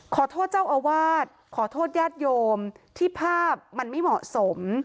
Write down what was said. ขอโทษเจ้าอาวาสขอโทษญาติโยมที่ภาพมันไม่เหมาะสม